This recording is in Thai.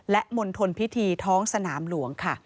และมณฑลพิธีท้องสนามหลวงค่ะ